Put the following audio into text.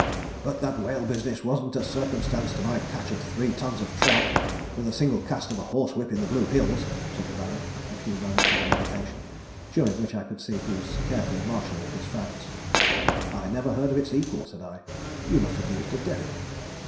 "But that whale business wasn't a circumstance to my catch of three tons of trout with a single cast of a horse whip in the Blue Hills," said the Baron after a few moments of meditation, during which I could see that he was carefully marshalling his facts. "I never heard of its equal," said I. "You must have used a derrick."